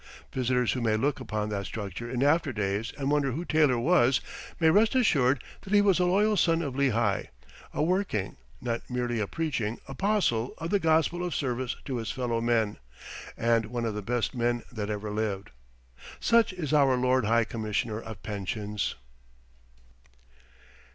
Visitors who may look upon that structure in after days and wonder who Taylor was may rest assured that he was a loyal son of Lehigh, a working, not merely a preaching, apostle of the gospel of service to his fellow men, and one of the best men that ever lived. Such is our Lord High Commissioner of Pensions.